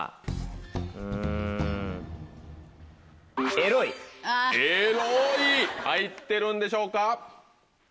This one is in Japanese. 「エロい」入ってるんでしょうか？